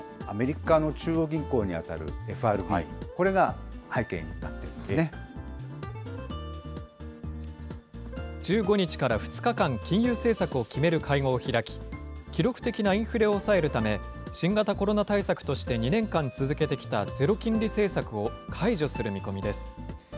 アメリカの中央銀行に当たるＦＲＢ、これが背景になっているんで１５日から２日間、金融政策を決める会合を開き、記録的なインフレを抑えるため、新型コロナ対策として２年間続けてきたゼロ金利政策を解除する見込みです。